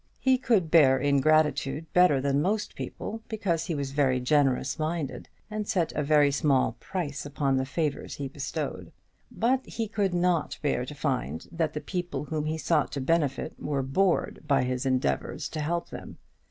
He could bear ingratitude better than most people, because he was generous minded, and set a very small price upon the favours he bestowed; but he could not bear to find that the people whom he sought to benefit were bored by his endeavours to help them.